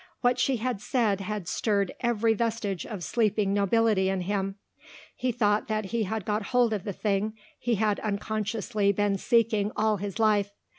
What she had said had stirred every vestige of sleeping nobility in him. He thought that he had got hold of the thing he had unconsciously been seeking all his life.